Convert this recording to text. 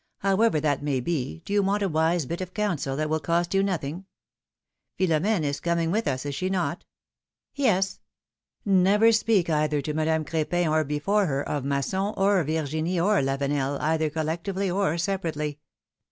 However that may be, do you want a wise bit of counsel that will cost you nothing? Philom^ne is coming with us, is she not?" " Yes." " Never speak either to Madame Crepin or before her of Masson, or Virginie, or Lavenel, either collectively or separately.